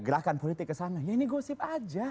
gerakan politik ke sana ya ini gosip saja